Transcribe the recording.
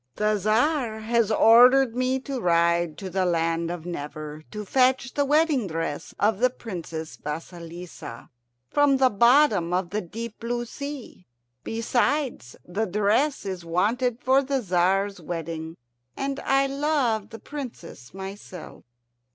"The Tzar has ordered me to ride to the land of Never, to fetch the wedding dress of the Princess Vasilissa from the bottom of the deep blue sea. Besides, the dress is wanted for the Tzar's wedding, and I love the Princess myself."